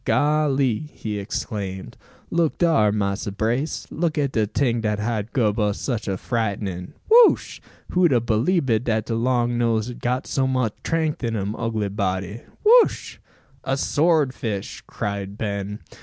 "Golly!" he exclaimed. "Look dar, Massa Brace. Look at de ting dat hab gub us sich a frightnin. Whuch! Who'd a beliebed dat de long nose had got so much 'trength in im ugly body? Whuch!" "A sword fish!" cried Ben.